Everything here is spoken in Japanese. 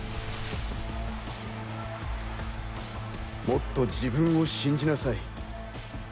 もっと自分を信じなさい。